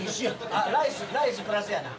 あっライスプラスやな。